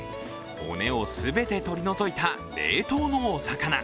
骨を全て取り除いた冷凍のお魚。